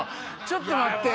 ちょっと待って。